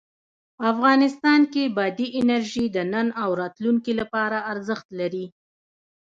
افغانستان کې بادي انرژي د نن او راتلونکي لپاره ارزښت لري.